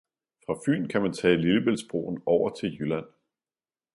Fra Fyn kan man tage Lillebæltsbroen over til Jylland